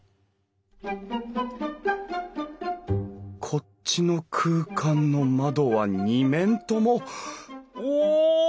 こっちの空間の窓は２面ともお！